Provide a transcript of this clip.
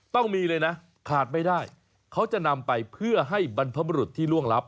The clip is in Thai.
ต้องมีเลยนะขาดไม่ได้เขาจะนำไปเพื่อให้บรรพบรุษที่ล่วงลับ